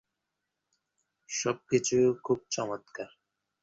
তিনি তার আইনি-আদর্শগত প্রশিক্ষণ ও চিন্তার দার্শনিক স্থিতিবিন্যাস ছিল।